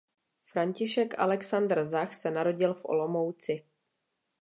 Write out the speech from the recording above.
František Alexandr Zach se narodil v Olomouci.